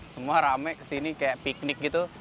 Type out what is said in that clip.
semua rame kesini kayak piknik gitu